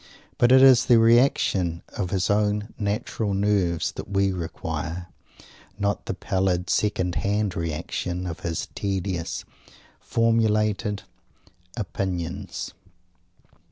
But it is the reaction of his own natural nerves that we require, not the pallid, second hand reaction of his tedious, formulated opinions.